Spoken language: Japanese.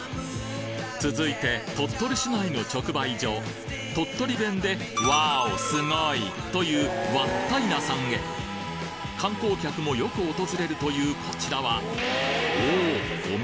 続いて鳥取市内の直売所鳥取弁でというわったいなさんへ観光客もよく訪れるというこちらはおお！